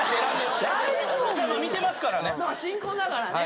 新婚だからね。